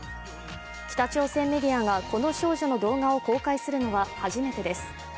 北朝鮮メディアがこの少女の動画を公開するのは初めてです。